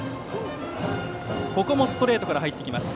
ここもストレートから入ってきます。